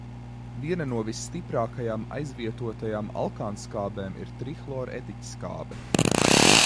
Viena no visstiprākajām aizvietotajām alkānskābēm ir trihloretiķskābe.